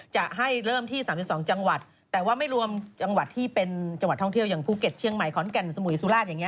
จะให้เริ่มที่๓๒จังหวัดแต่ว่าไม่รวมจังหวัดที่เป็นจังหวัดท่องเที่ยวอย่างภูเก็ตเชียงใหม่ขอนแก่นสมุยสุราชอย่างนี้